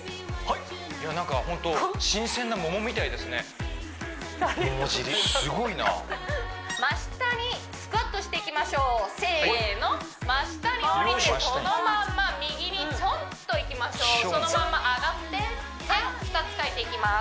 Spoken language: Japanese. いやホント新鮮な桃みたいですねありがとうございますすごいな真下にスクワットしていきましょうせーの真下に下りてそのまま右にちょんっといきましょうそのまま上がって点２つ書いていきます